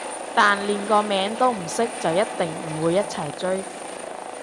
但連個名都唔識就一定唔會一齊追